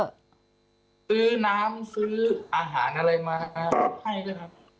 ซื้อน้ำซื้ออาหารอะไรมาให้ด้วยครับ